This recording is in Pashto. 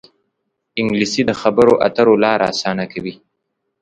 انګلیسي د خبرو اترو لاره اسانه کوي